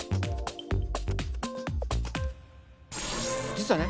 実はね